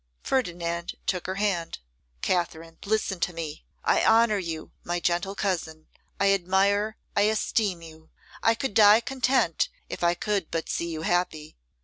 Ferdinand took her hand. 'Katherine, listen to me. I honour you, my gentle cousin, I admire, I esteem you; I could die content if I could but see you happy.